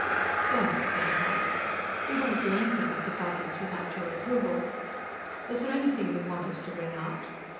"We understand that. We won't do anything with the Fuzzies without your approval. Is there anything you'd want us to bring out?"